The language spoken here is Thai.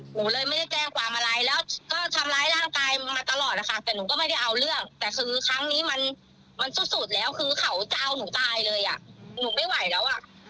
หนูเลยไม่ได้แจ้งความอะไรแล้วก็ทำร้ายร่างกายมาตลอดนะคะแต่หนูก็ไม่ได้เอาเรื่องแต่คือครั้งนี้มันสุดแล้วคือเขาจะเอาหนูตายเลยอ่ะหนูไม่ไหวแล้วอ่ะ